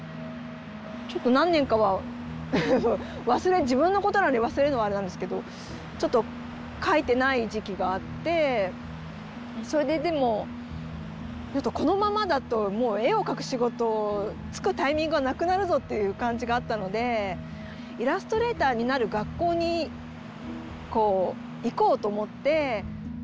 ちょっと何年かは自分のことなのに忘れるのもあれなんですけどちょっと描いてない時期があってそれででもちょっとこのままだともう絵を描く仕事就くタイミングがなくなるぞっていう感じがあったのでイラストレーターになる学校に行こうと思って。